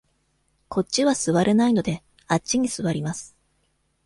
こっちは座れないので、あっちに座ります。